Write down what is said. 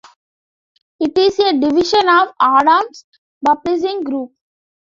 It is a division of Adams Publishing Group.